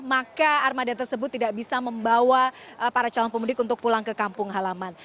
maka armada tersebut tidak bisa membawa para calon pemudik untuk pulang ke kampung halaman